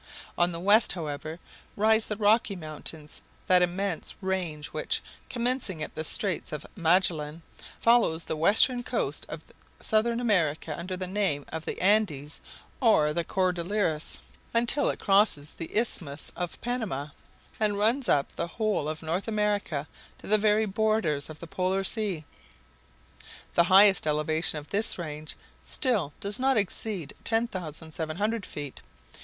On the west, however, rise the Rocky Mountains, that immense range which, commencing at the Straights of Magellan, follows the western coast of Southern America under the name of the Andes or the Cordilleras, until it crosses the Isthmus of Panama, and runs up the whole of North America to the very borders of the Polar Sea. The highest elevation of this range still does not exceed 10,700 feet.